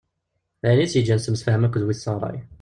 D ayen i tt-yeǧǧan tettemsefham akk d wid tesɣray.